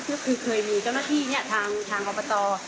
คือคือเคยมีเจ้าหน้าทรีย์ทางอุ๋ปตร